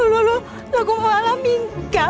lalu aku malah minggap